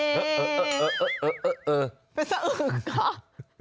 เออเป็นสะอึกเหรอ